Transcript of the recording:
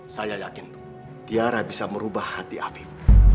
saya yakin tiara bisa merubah hati abib